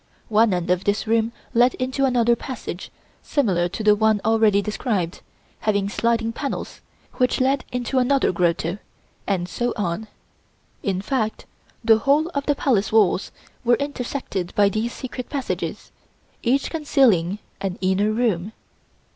One end of this room led into another passage similar to the one already described, having sliding panels, which led into another grotto, and so on; in fact the whole of the palace walls were intersected by these secret passages, each concealing an inner room.